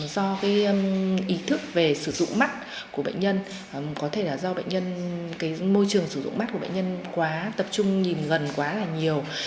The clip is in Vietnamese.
do ý thức về sử dụng mắt của bệnh nhân có thể là do môi trường sử dụng mắt của bệnh nhân quá tập trung nhìn gần quá là nhiều